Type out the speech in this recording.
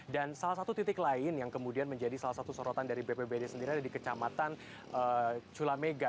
dan salah satu titik lain yang kemudian menjadi salah satu sorotan dari bppd sendiri adalah di kecamatan culamega